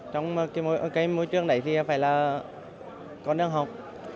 trong cái môi trường này thì em phải là con đường học